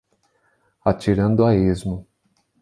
Atirando a esmo